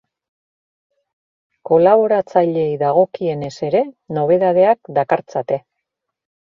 Kolaboratzaileei dagokienez ere, nobedadeak dakartzate.